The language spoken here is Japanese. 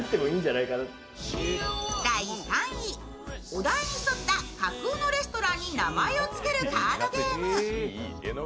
お題に沿った架空のレストランに名前を付けるカードゲーム。